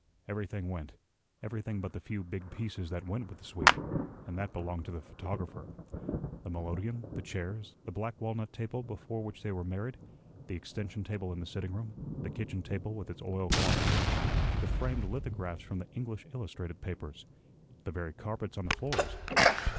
Everything went everything but the few big pieces that went with the suite, and that belonged to the photographer. The melodeon, the chairs, the black walnut table before which they were married, the extension table in the sitting room, the kitchen table with its oilcloth cover, the framed lithographs from the English illustrated papers, the very carpets on the floors.